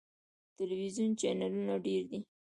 ټلویزیوني چینلونه ډیر دي.